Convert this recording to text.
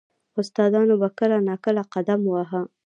• استادانو به کله نا کله قدم واهه.